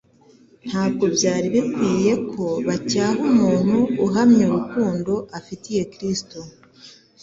Ntabwo byari bikwiriye ko bacyaha umuntu uhamya urukundo afitiye Kristo.